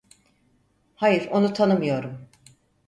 Hayır, onu tanımıyorum.